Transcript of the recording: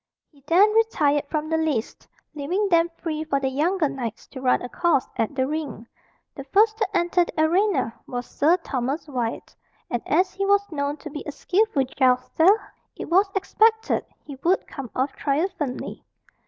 He then retired from the lists, leaving them free for the younger knights to run a course at the ring. The first to enter the arena was Sir Thomas Wyat; and as he was known to be a skilful jouster, it was expected he would come off triumphantly.